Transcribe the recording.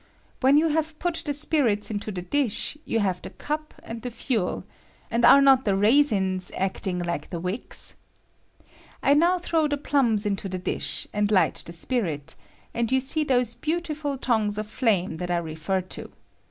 When you have put the spirit into the dish, you have the cup and the fuel; and are not the raisins acting hke the wicks ? I now throw the plums into the dish, and light the spirit, and you see those beautiful tongues of flame that I refer to.